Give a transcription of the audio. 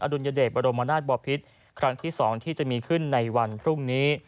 ดุลยเดชบรมนาศบอพิษครั้งที่๒ที่จะมีขึ้นในวันพรุ่งนี้